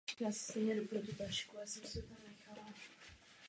Hra má dva konce.